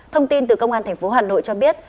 thông tin từ công an tp hà nội cho biết